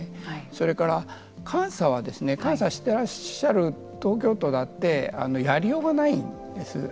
それから、監査は監査はしていらっしゃる東京都だってやりようがないんです。